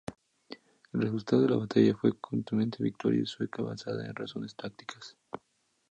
El resultado de la batalla fue una contundente victoria sueca basada en razones tácticas.